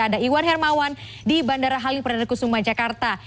ada iwan hermawan di bandara halim perdana kusuma jakarta